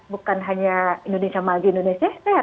bukan hanya indonesia maju indonesia sehat